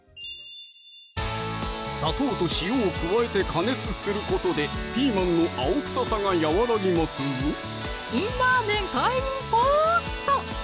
砂糖と塩を加えて加熱することでピーマンの青臭さがやわらぎますぞ「チキンラーメン」買いに行こうっと！